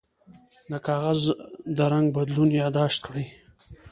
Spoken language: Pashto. د کاغذ د رنګ بدلون یاد داشت کړئ.